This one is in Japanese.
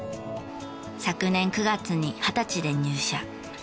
昨年９月に二十歳で入社。